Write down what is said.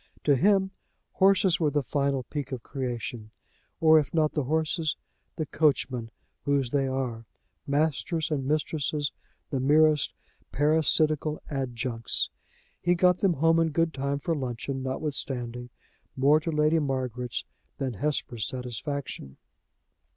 To him, horses were the final peak of creation or if not the horses, the coachman, whose they are masters and mistresses the merest parasitical adjuncts. He got them home in good time for luncheon, notwithstanding more to Lady Margaret's than Hesper's satisfaction.